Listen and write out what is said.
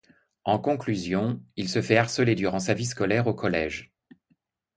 En conclusion, il se fait harceler durant sa vie scolaire au collège.